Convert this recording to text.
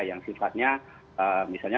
yang sifatnya misalnya